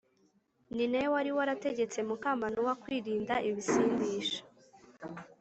. Ni na we wari warategetse muka Manowa kwirinda ibisindisha